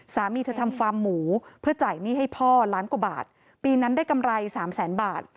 สามีเธอทำฟาร์มหมูเพื่อจ่ายหนี้ให้พ่อล้านกว่าบาทปีนั้นได้กำไรสามแสนบาท